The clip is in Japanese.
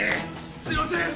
すいません！